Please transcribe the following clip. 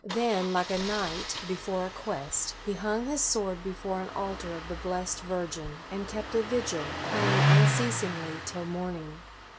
Then, like a knight, before a quest, he hung his sword before an altar of the Blessed Virgin, and kept a vigil, praying unceasingly till morning.